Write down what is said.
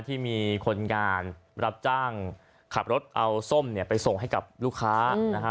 ที่มีคนงานรับจ้างขับรถเอาส้มเนี่ยไปส่งให้กับลูกค้านะฮะ